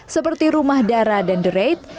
seperti rumah darah dan the raid